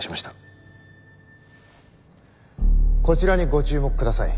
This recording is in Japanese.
こちらにご注目ください。